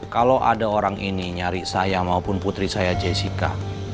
kalau ada orang ini nyari saya maupun putri saya jessica